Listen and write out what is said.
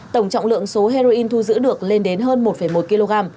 tổng trọng lượng số heroin thu giữ được lên đến hơn một một kg